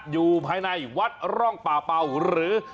อยู่ภายในวัดร่องป่าเป่าหรือ